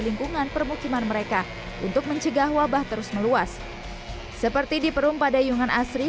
lingkungan permukiman mereka untuk mencegah wabah terus meluas seperti di perum padayungan asri